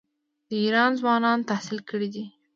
د ایران ځوانان تحصیل کړي دي.